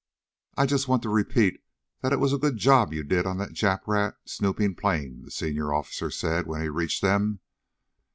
"I just want to repeat that it was a good job you did on that Jap rat snooping plane," the senior officer said when he reached them.